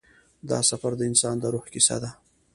دا سفر د انسان د روح کیسه ده.